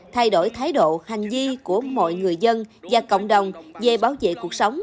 thay đổi thái độ hành di của mọi người dân và cộng đồng về bảo vệ cuộc sống